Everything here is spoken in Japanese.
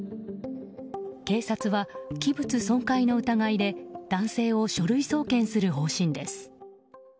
警察は器物損壊の疑いで男性を書類送検する方針です。